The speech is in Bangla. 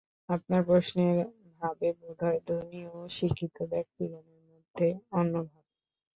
আপনার প্রশ্নের ভাবে বোধ হয়, ধনী ও শিক্ষিত ব্যক্তিগণের মধ্যে অন্য ভাব।